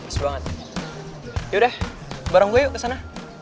gila yaudah bareng gue yuk kesana